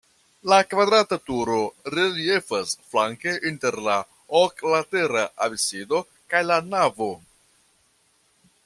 La kvadrata turo reliefas flanke inter la oklatera absido kaj la navo.